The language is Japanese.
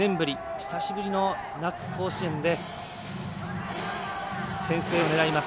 久しぶりの夏、甲子園で先制を狙います。